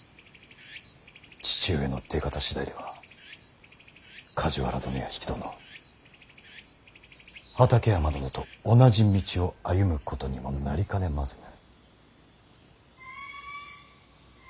父上の出方次第では梶原殿や比企殿畠山殿と同じ道を歩むことにもなりかねません。